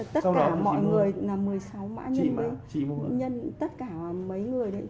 tất cả mọi người là một mươi sáu mã tất cả mấy người đấy